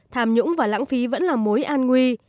tham nhũng và lãng phí vẫn là mối an nguy